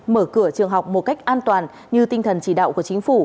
mở cửa trường học một cách an toàn như tinh thần chỉ đạo của chính phủ